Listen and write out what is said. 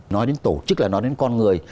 nói đến tổ chức là nói đến con người